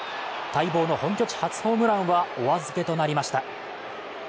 待望の本拠地初ホームランはお預けとなりました。